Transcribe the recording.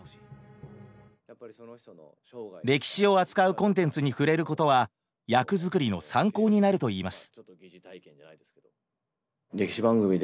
歴史を扱うコンテンツに触れることは役作りの参考になるといいます。